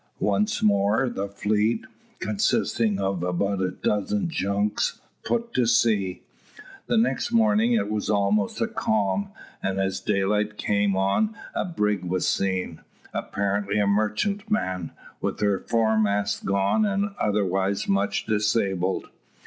Once more the fleet, consisting of about a dozen junks, put to sea. The next morning it was almost a calm; and as daylight came on a brig was seen, apparently a merchantman, with her foremast gone and otherwise much disabled.